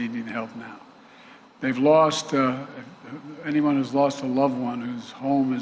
akan mendapatkan bantuan segera